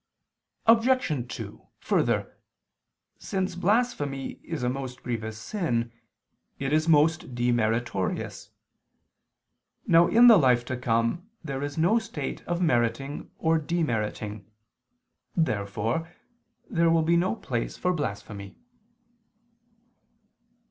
Obj. 2: Further, since blasphemy is a most grievous sin, it is most demeritorious. Now in the life to come there is no state of meriting or demeriting. Therefore there will be no place for blasphemy.